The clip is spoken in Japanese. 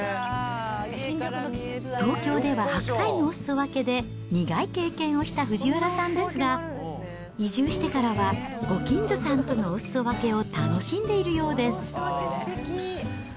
東京では白菜のおすそ分けで苦い経験をした藤原さんですが、移住してからは、ご近所さんとのおすそ分けを楽しんでいるようです。